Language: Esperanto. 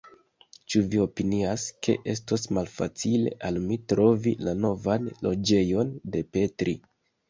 Ĉu vi opinias, ke estos malfacile al mi trovi la novan loĝejon de Petri.